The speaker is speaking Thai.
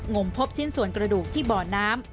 มพบชิ้นส่วนกระดูกที่บ่อน้ำ